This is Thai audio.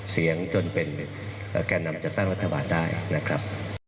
เสียงจนเป็นแก่นำจัดตั้งรัฐบาลได้นะครับ